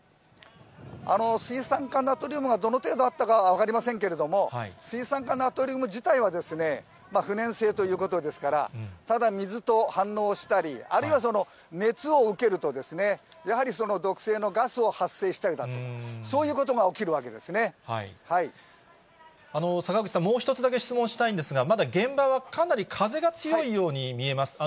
水酸化ナトリウムがどの程度あったか分かりませんけれども、水酸化ナトリウム自体は、不燃性ということですから、ただ水と反応したり、あるいは熱を受けると、やはり毒性のガスを発生したりだとか、坂口さん、もう一つだけ質問したいんですが、まだ現場はかなり風が強いように見えます。